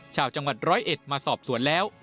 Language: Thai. ชาวจังหวัดร้อยเอ็ดมาสอบสวนแล้ว